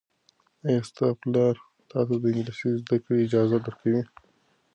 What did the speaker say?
ایا ستا پلار تاته د انګلیسي زده کړې اجازه درکوي؟